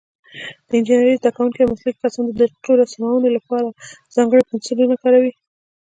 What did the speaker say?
د انجینرۍ زده کوونکي او مسلکي کسان د دقیقو رسمونو لپاره ځانګړي پنسلونه کاروي.